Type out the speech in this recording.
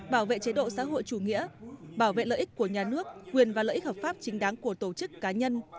bảo vệ chế độ xã hội chủ nghĩa bảo vệ lợi ích của nhà nước quyền và lợi ích hợp pháp chính đáng của tổ chức cá nhân